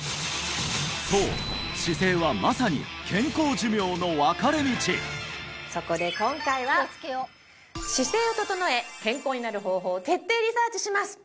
そうそこで今回は姿勢を整え健康になる方法を徹底リサーチします！